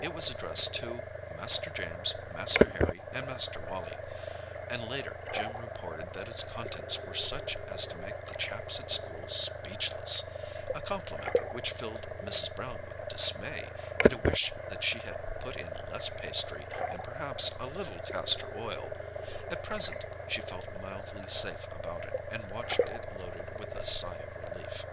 It was addressed to "Master James, Master Harry, and Master Wallie," and later Jim reported that its contents were such as to make the chaps at school speechless—a compliment which filled Mrs. Brown with dismay, and a wish that she had put in less pastry and perhaps a little castor oil. At present she felt mildly safe about it and watched it loaded with a sigh of relief.